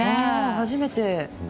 初めて。